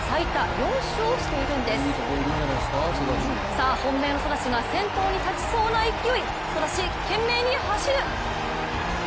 さあ、本命のソダシが先頭に立ちそうな勢い、ソダシ、懸命に走る！